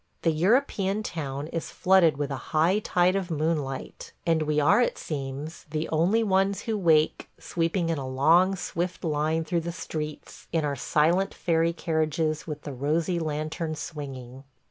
The European town is flooded with a high tide of moonlight, and we are, it seems, the only ones who wake sweeping in a long, swift line through the streets in our silent fairy carriages with the rosy lantern swinging.